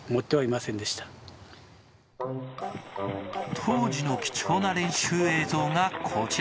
当時の貴重な練習映像がこちら。